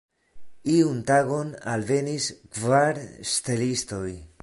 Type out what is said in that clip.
Iun tagon alvenis kvar ŝtelistoj.